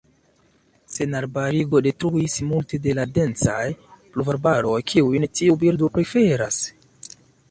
Senarbarigo detruis multe de la densaj pluvarbaroj kiujn tiuj birdoj preferas.